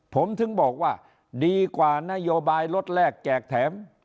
ผมถึงบอกว่าดีกว่านโยบายรถแรกแจกแถม